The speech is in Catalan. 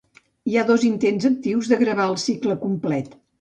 Hi ha dos intents actius de gravar el cicle complet.